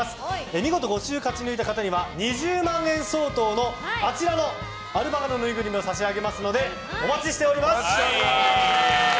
見事５週勝ち抜いた方には２０万円相当のアルパカのぬいぐるみを差し上げますのでお待ちしております。